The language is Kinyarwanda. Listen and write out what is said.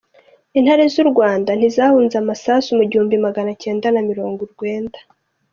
Intare z’u Rwanda ntizahunze amasasu mu gihumbi Magana kenda namirongo ikenda